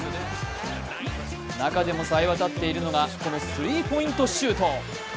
中でもさえわたっているのがこのスリーポイントシュート。